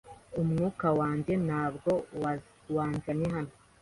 Umwuka wanjye ntabwo wanzanye hano